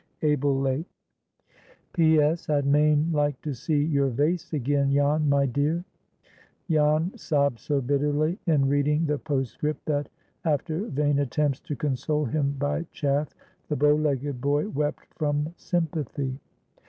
"ABEL LAKE." "P.S. I'd main like to see your vace again, Jan, my dear." Jan sobbed so bitterly in reading the postscript that, after vain attempts to console him by chaff, the bow legged boy wept from sympathy.